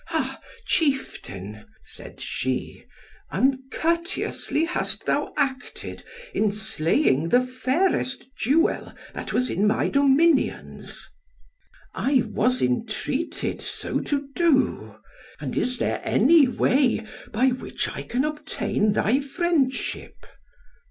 "Ha! chieftain," said she, "uncourteously hast thou acted in slaying the fairest jewel that was in my dominions." "I was intreated so to do; and is there any way by which I can obtain thy friendship?"